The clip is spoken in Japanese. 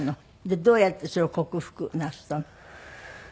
でどうやってそれを克服なすったの？